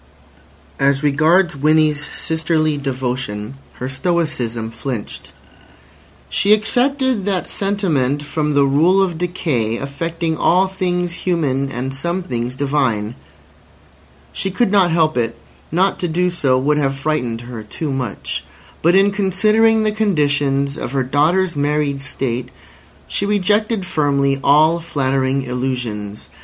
As regards Winnie's sisterly devotion, her stoicism flinched. She excepted that sentiment from the rule of decay affecting all things human and some things divine. She could not help it; not to do so would have frightened her too much. But in considering the conditions of her daughter's married state, she rejected firmly all flattering illusions.